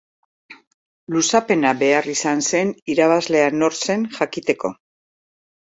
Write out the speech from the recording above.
Luzapena behar izan zen irabazlea nor izango zen jakiteko.